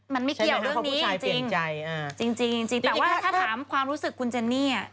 มันไม่เกี่ยวเรื่องนี้จริงจริงแต่ว่าถ้าถามความรู้สึกคุณเจนนี่